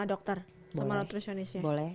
dokter sama nutritionistnya boleh